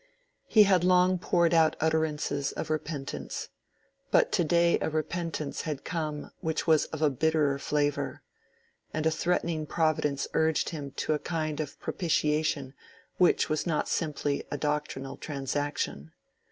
He had long poured out utterances of repentance. But today a repentance had come which was of a bitterer flavor, and a threatening Providence urged him to a kind of propitiation which was not simply a doctrinal transaction.